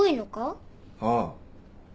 ああ。